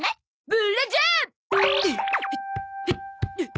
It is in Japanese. ブ・ラジャー！